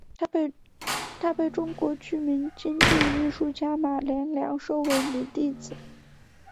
她被中国著名京剧艺术家马连良收为女弟子。